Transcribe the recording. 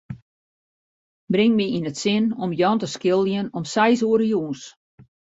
Bring my yn it sin om Jan te skiljen om seis oere jûns.